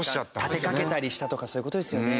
立てかけたりしたとかそういう事ですよね。